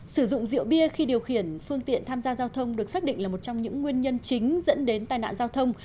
sử dụng rượu bia khi điều khiển phương tiện tham gia giao thông được xác định là một trong những nguyên nhân chính dẫn đến tai nạn giao thông